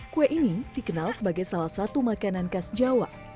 kue ini dikenal sebagai salah satu makanan khas jawa